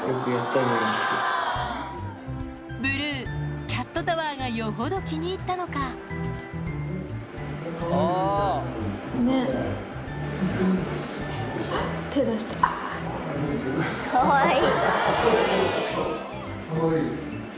ブルーキャットタワーがよほど気に入ったのかかわいい。